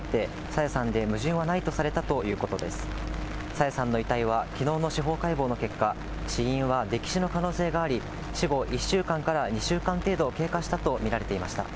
朝芽さんの遺体はきのうの司法解剖の結果、死因は溺死の可能性があり、死後１週間から２週間程度経過したと見られていました。